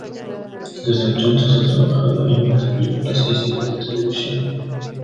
Desde entonces ha trabajado en varias películas y series de televisión.